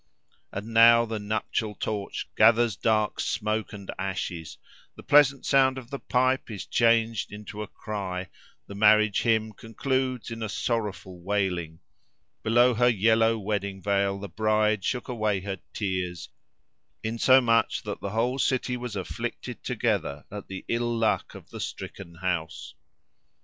And now the nuptial torch gathers dark smoke and ashes: the pleasant sound of the pipe is changed into a cry: the marriage hymn concludes in a sorrowful wailing: below her yellow wedding veil the bride shook away her tears; insomuch that the whole city was afflicted together at the ill luck of the stricken house.